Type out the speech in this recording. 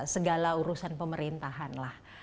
segala urusan pemerintahan lah